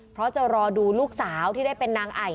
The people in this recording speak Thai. เพราะจะรอดูลูกสาวที่ได้เป็นนางไอ